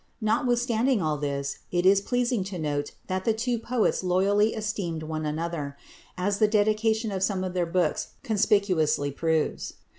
Notwithstanding all this, it is pleasing to note that the two poets loyally esteemed one another, as the dedication of some of their books conspicuously proves.